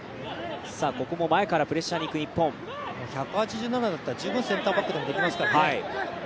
１８７だったら十分センターバックでもプレーできますからね。